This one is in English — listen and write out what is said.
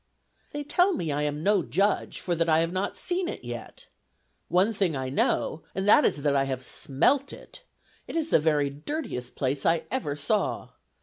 "They tell me I am no judge, for that I have not seen it yet. One thing I know, and that is that I have smelt it. ... It is the very dirtiest place I ever saw.